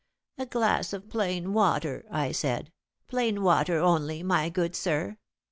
'A glass of plain water,' I said; 'plain water only, my good sir.'